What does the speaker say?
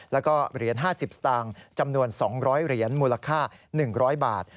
แล้วก็เหรียญ๕๐สตางค์จำนวน๒๐๐เหรียญมูลค่า๑๐๐บาท